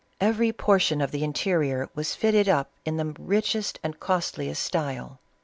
Every portion of the interior was fitted up in the richest and costliest style.